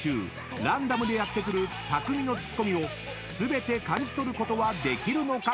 ランダムでやってくるたくみのツッコミを全て感じ取ることはできるのか？］